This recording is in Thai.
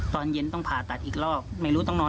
ตอนเย็นต้องผ่าตัดอีกรอบไม่รู้ต้องนอน